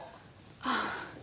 あっ。